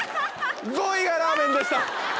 ５位がラーメンでした！